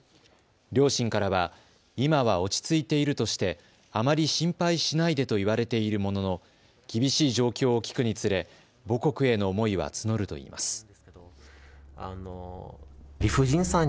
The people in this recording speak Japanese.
両親からは今は落ち着いているとしてあまり心配しないでと言われているものの厳しい状況を聞くにつれ母国への思いは募るといいます。